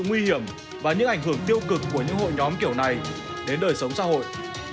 nguy hiểm và những ảnh hưởng tiêu cực của những hội nhóm kiểu này đến đời sống xã hội